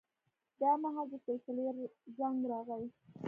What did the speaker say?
دا مهال د سلسلې زنګ راغی.